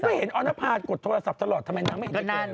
ฉันก็เห็นอ้อนภาษกดโทรศัพท์ตลอดทำไมนางไม่อินเกตเลย